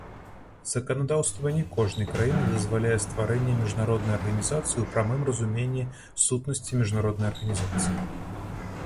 Заканадаўства не кожнай краіны дазваляе стварэнне міжнароднай арганізацыі ў прамым разуменні сутнасці міжнароднай арганізацыі.